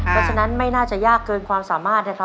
เพราะฉะนั้นไม่น่าจะยากเกินความสามารถนะครับ